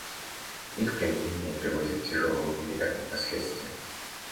Их применение приводит к тяжелым гуманитарным последствиям.